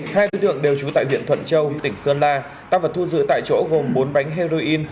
hai đối tượng đều trú tại huyện thuận châu tỉnh sơn la tăng vật thu giữ tại chỗ gồm bốn bánh heroin